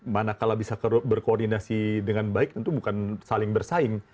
manakala bisa berkoordinasi dengan baik tentu bukan saling bersaing